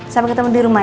sampai ketemu di rumah ya